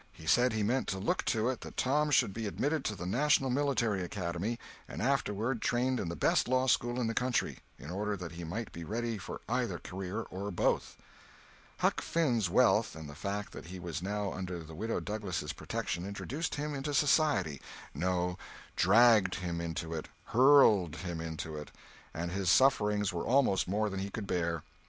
He said he meant to look to it that Tom should be admitted to the National Military Academy and afterward trained in the best law school in the country, in order that he might be ready for either career or both. Huck Finn's wealth and the fact that he was now under the Widow Douglas' protection introduced him into society—no, dragged him into it, hurled him into it—and his sufferings were almost more than he could bear.